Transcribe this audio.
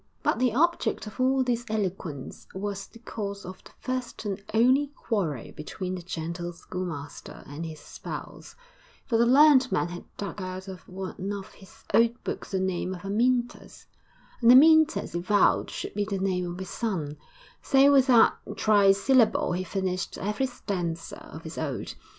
But the object of all this eloquence was the cause of the first and only quarrel between the gentle schoolmaster and his spouse; for the learned man had dug out of one of his old books the name of Amyntas, and Amyntas he vowed should be the name of his son; so with that trisyllable he finished every stanza of his ode.